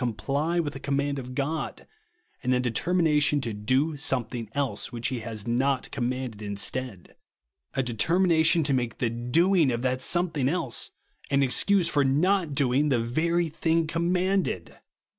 91 comply with a ccmmand of God, and a de teimination to do somiething else, which he has not commanded, instead ; a determina tion to make the doinsr of that somethino else an excuse for not doing the very thing commanded